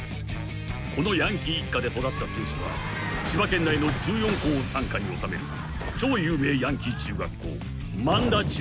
［このヤンキー一家で育った剛は千葉県内の１４校を傘下におさめる超有名ヤンキー中学校萬田中のアタマになった］